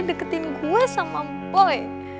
deketin gue sama boy